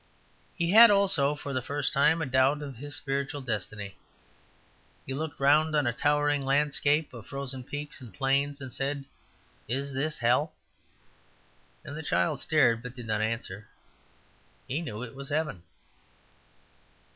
He had (also for the first time) a doubt of his spiritual destiny. He looked round on a towering landscape of frozen peaks and plains, and said, "Is this hell?" And as the child stared, but did not answer, he knew it was heaven.